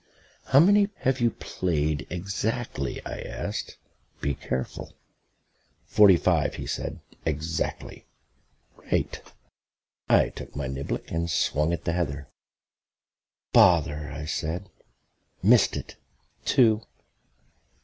"How many have you played exactly?" I asked. "Be careful." "Forty five," he said. "Exactly." "Right." I took my niblick and swung at the heather. "Bother," I said. "Missed it. Two."